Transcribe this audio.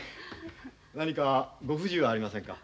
何かご不自由はありませんか？